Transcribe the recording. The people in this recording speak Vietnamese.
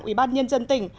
ủy ban nhân dân tỉnh